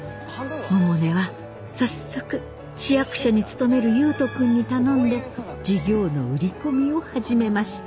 百音は早速市役所に勤める悠人君に頼んで事業の売り込みを始めました。